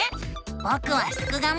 ぼくはすくがミ！